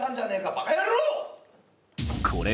バカ野郎！